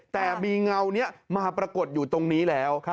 แต่มีเงานี้มาปรากฏอยู่ตรงนี้แล้ว